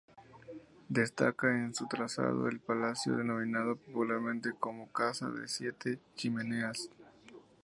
Destaca en su trazado el palacio denominado popularmente como Casa de las Siete Chimeneas.